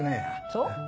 そう？